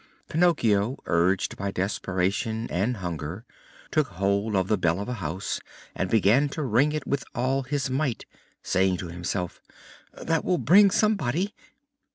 Pinocchio, urged by desperation and hunger, took hold of the bell of a house and began to ring it with all his might, saying to himself: "That will bring somebody."